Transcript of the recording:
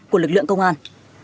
của lực lượng công an